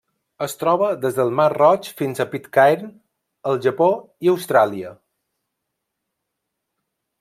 Es troba des del Mar Roig fins a Pitcairn, el Japó i Austràlia.